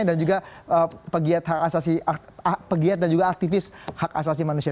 dan juga pegiat dan juga aktivis hak asasi manusia